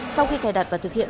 sau khi cài đặt và thực hiện